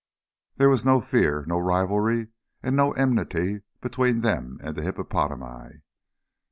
There was no fear, no rivalry, and no enmity between them and the hippopotami.